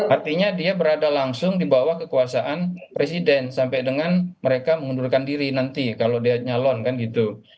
artinya dia berada langsung di bawah kekuasaan presiden sampai dengan mereka mengundurkan diri nanti kalau dia nyalon kan gitu